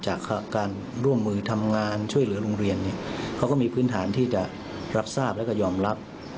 จากการร่วมมือทำงานช่วยเหลือโรงเรียนเขาก็มีพื้นฐานที่จะรับทราบแล้วก็ยอมรับ